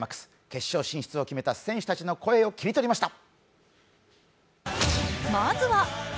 決勝進出を決めた選手たちの声を切り取りました。